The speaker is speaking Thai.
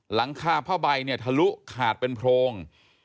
หลังคาผ้าใบเนี่ยทะลุขาดเป็นโพรง